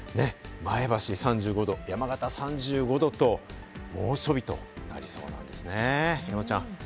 前橋３５度、山形３５度、猛暑日となりそうなんですね、山ちゃん。